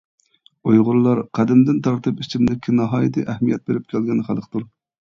ئۇيغۇرلار قەدىمدىن تارتىپ ئىچىملىككە ناھايىتى ئەھمىيەت بېرىپ كەلگەن خەلقتۇر.